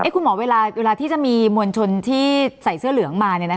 คุณหมอเวลาที่จะมีมวลชนที่ใส่เสื้อเหลืองมา